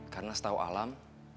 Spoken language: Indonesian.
karena setahu alam